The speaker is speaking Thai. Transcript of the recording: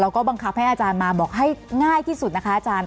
แล้วก็บังคับให้อาจารย์มาบอกให้ง่ายที่สุดนะคะอาจารย์